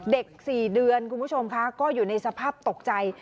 ๔เดือนคุณผู้ชมคะก็อยู่ในสภาพตกใจ